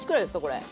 これ。